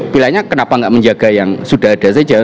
pilainya kenapa gak menjaga yang sudah ada saja